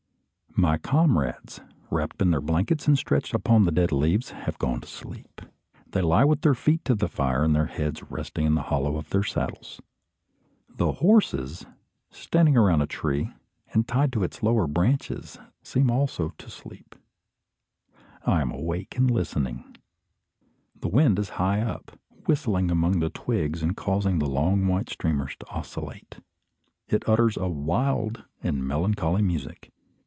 My comrades, wrapped in their blankets, and stretched upon the dead leaves, have gone to sleep. They lie with their feet to the fire, and their heads resting in the hollow of their saddles. The horses, standing around a tree, and tied to its lower branches, seem also to sleep. I am awake and listening. The wind is high up, whistling among the twigs and causing the long white streamers to oscillate. It utters a wild and melancholy music.